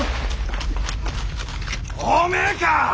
おめえか！